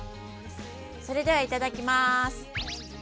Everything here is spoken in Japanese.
それではいただきます！